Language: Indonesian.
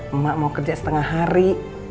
emak mau kerja setengah hari